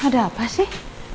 ada apa sih